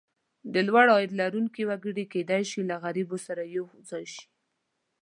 د لوړ عاید لرونکي وګړي کېدای شي له غریبو سره یو ځای شي.